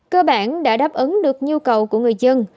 cơ bản đã đáp ứng được nhu cầu của người dân